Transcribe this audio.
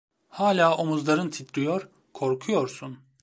Hala omuzların titriyor, korkuyorsun!